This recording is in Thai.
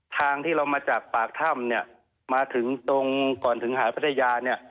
ทางที่เรามาจากปากถ้ำมาถึงตรงก่อนถึงหาดพัทยา